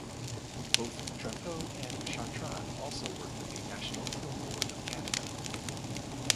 Both Drapeau and Chartrand also work with the National Film Board of Canada.